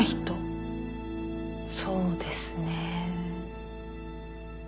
そうですね。